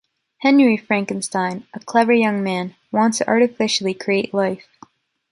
Henry Frankenstein, a clever young man, wants to artificially create life.